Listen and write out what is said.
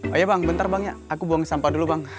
oh ya bang bentar bang aku buang sampah dulu bang